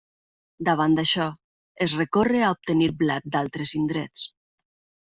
Davant d'això, es recorre a obtenir blat d'altres indrets.